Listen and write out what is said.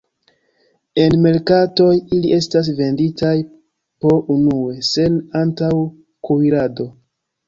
En merkatoj, ili estas venditaj po unue, sen antaŭ-kuirado.